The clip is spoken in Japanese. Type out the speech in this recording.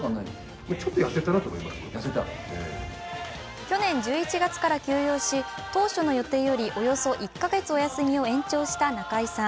去年１１月から休養し、当初の予定よりおよそ１カ月、お休みを延長した中居さん。